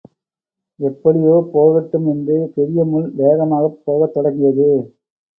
எப்படியோ போகட்டும் என்று பெரியமுள் வேகமாகப் போகத் தொடங்கியது.